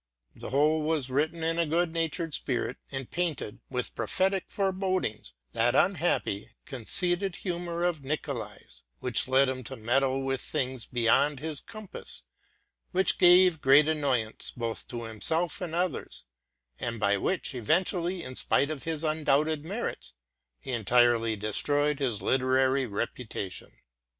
The whole was written in a good natured spirit, and painted, with prophetic forebodings, that unhappy, conceited humor of Nicolai's, which led him to meddle with things beyond his compass, which gave great annoyance both to himself and others, and by which, eventually, in spite of his undoubted merits, he entirely destroyed his literary reputation.